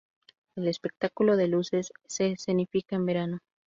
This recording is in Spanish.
El espectáculo de luces se escenifica en verano.